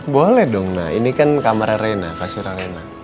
boleh dong nda ini kan kamarnya reyna kasur reyna